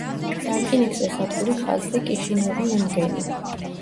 სარკინიგზო სადგური ხაზზე კიშინიოვი—უნგენი.